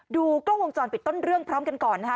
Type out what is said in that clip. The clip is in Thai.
ดูกล้องวงจรปิดต้นเรื่องพร้อมกันก่อนนะคะ